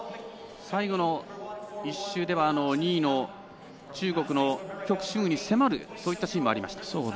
最後の１周では２位の中国の曲春雨に迫るそういったシーンもありました。